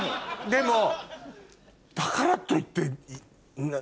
でもだからといって。